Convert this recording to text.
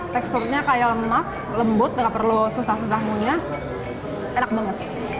teksturnya kayak lemak lembut gak perlu susah susahnya enak banget